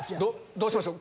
どうしましょう？